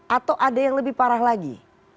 atau ada yang lebih parah lagi